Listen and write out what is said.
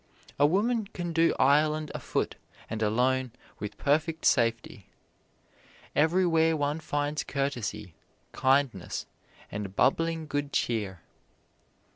A woman can do Ireland afoot and alone with perfect safety. Everywhere one finds courtesy, kindness and bubbling good cheer.